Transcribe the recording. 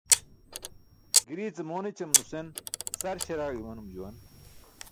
Girii ce moon ećam nusen sar śaraaẏ imanum juwan.